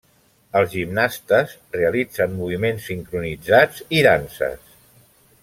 Els gimnastes realitzen moviments sincronitzats i danses.